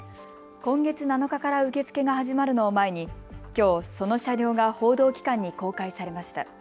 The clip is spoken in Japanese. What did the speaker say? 今月７日から受け付けが始まるのを前にきょうその車両が報道機関に公開されました。